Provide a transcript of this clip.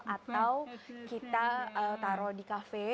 atau kita taruh di kafe